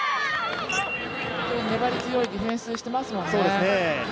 粘り強いディフェンスしていますもんね。